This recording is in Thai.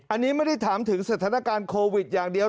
อันนี้ไม่ได้ถามถึงสถานการณ์โควิดอย่างเดียว